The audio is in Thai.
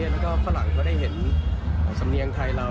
แล้วก็ฝรั่งก็ได้เห็นสำเนียงไทยเรา